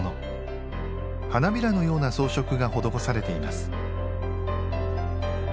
花びらのような装飾が施されています